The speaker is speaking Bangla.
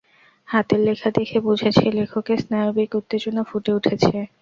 হাতের লেখা দেখে বুঝেছি লেখকের স্নায়বিক উত্তেজনা ফুটে উঠেছে।